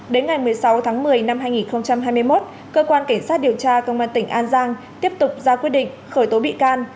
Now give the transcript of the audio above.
đến ngày một mươi sáu tháng một mươi năm hai nghìn hai mươi một cơ quan cảnh sát điều tra công an tỉnh an giang tiếp tục ra quyết định khởi tố bị can